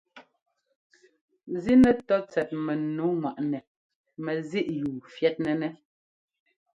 Zínɛtɔ́ tsɛt mɛnu ŋwaꞌnɛ mɛzíꞌyúu fyɛ́tnɛ́nɛ́.